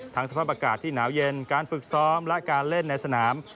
สภาพอากาศที่หนาวเย็นการฝึกซ้อมและการเล่นในสนาม